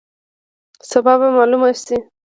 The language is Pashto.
سبا به معلومه شي.